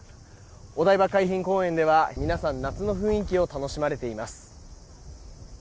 お台場海浜公園では、皆さん夏の雰囲気を楽しまれています。